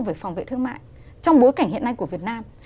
về phòng vệ thương mại trong bối cảnh hiện nay của việt nam